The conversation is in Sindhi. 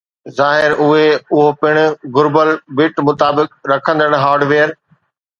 ظاھر آھي اھو پڻ گھربل بٽ-مطابقت رکندڙ هارڊويئر